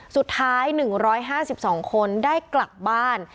สุดท้าย๑๕๒คนได้กลับบ้าน